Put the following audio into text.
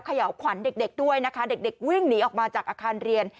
เขย่าขวัญเด็กด้วยนะคะเด็กวิ่งหนีออกมาจากอาคารเรียน